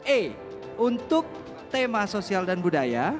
e untuk tema sosial dan budaya